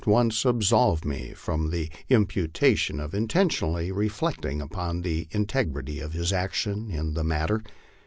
197 once absolve me from the imputation of intentionally reflecting upon the in tegrity of his action in the matter.